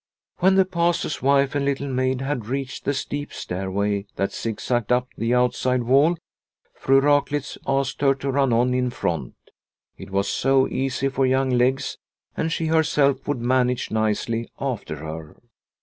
When 196 Liliecrona's Home the Pastor's wife and Little Maid had reached the steep stairway that zigzagged up the out side wall, Fru Raklitz asked her to run on in front. It was so easy for young legs, and she herself would manage nicely after her.